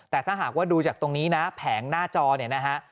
แต่ถ้าหากว่าดูจากตรงนี้นะแผงหน้าจอเนี่ยนะฮะ